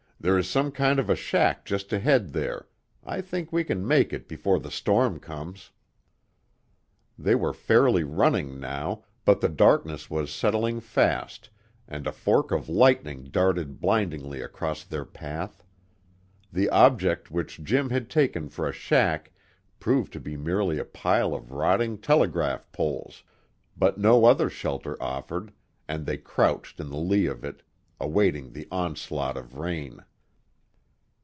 "There is some kind of a shack just ahead there; I think we can make it before the storm comes." They were fairly running now, but the darkness was settling fast and a fork of lightning darted blindingly across their path. The object which Jim had taken for a shack proved to be merely a pile of rotting telegraph poles, but no other shelter offered, and they crouched in the lee of it, awaiting the onslaught of rain.